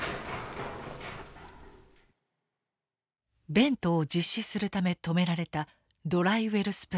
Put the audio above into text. ベントを実施するため止められたドライウェルスプレイ。